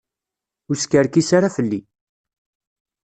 Ur skerkis ara fell-i.